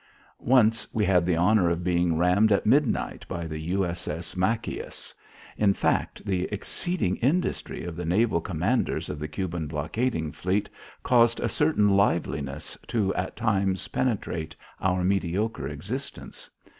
Once we had the honour of being rammed at midnight by the U.S.S. Machias. In fact the exceeding industry of the naval commanders of the Cuban blockading fleet caused a certain liveliness to at times penetrate our mediocre existence.